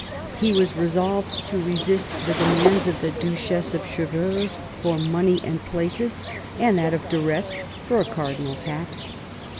He was resolved to resist the demands of the Duchess of Chevreuse for money and places, and that of de Eetz for a cardinal's hat.